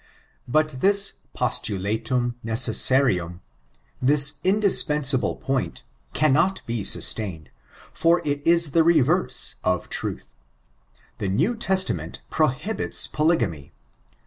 But this postuUUum necestarutm — this indispensable point, cannot be sustained; for it is the reverse of trutlL The New Testament prohibits polygamy.